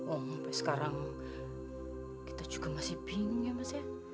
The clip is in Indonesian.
oh sampai sekarang kita juga masih bingung ya mas ya